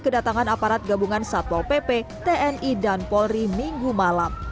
kedatangan aparat gabungan satpol pp tni dan polri minggu malam